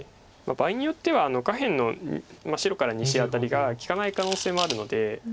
場合によっては下辺の白から２子アタリが利かない可能性もあるので。